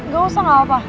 gak usah gak apa apa